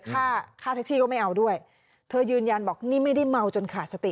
ค่าค่าแท็กซี่ก็ไม่เอาด้วยเธอยืนยันบอกนี่ไม่ได้เมาจนขาดสติ